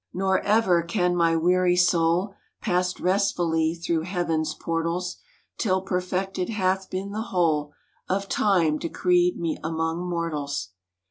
128 A LEGEND OF CONNEMARA " Nor ever can my weary soul Pass restfully through heaven's portals, Till perfected hath been the whole Of time, decreed me among mortals."